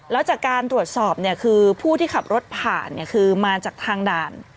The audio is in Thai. แล้วจากการตรวจสอบเนี่ยคือผู้ที่ขับรถผ่านคือมาจากทางด่าน